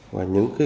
và những cái